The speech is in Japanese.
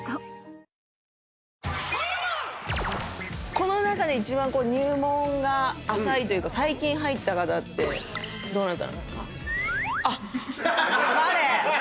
この中で一番入門が浅いというか最近入った方ってどなたなんですか？